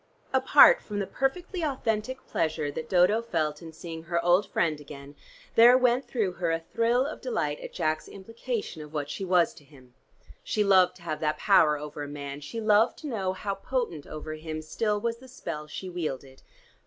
Apart from the perfectly authentic pleasure that Dodo felt in seeing her old friend again, there went through her a thrill of delight at Jack's implication of what she was to him. She loved to have that power over a man; she loved to know how potent over him still was the spell she wielded.